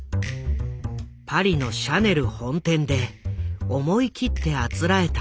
パリのシャネル本店で思い切ってあつらえたスーツ。